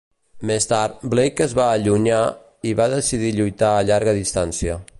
Més tard, Blake es va allunyar i va decidir lluitar a llarga distància.